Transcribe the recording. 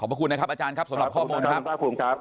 พระคุณนะครับอาจารย์ครับสำหรับข้อมูลนะครับ